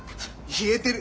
言えてる。